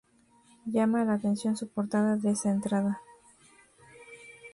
Llama la atención su portada descentrada.